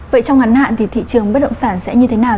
vậy trong ngắn hạn thì thị trường bất động sản sẽ như thế nào